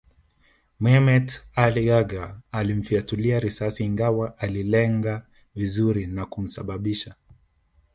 Mehmet Ali Agca alimfyatulia risasi Ingawa alilenga vizuri na kumsababisha